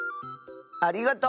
ありがとう。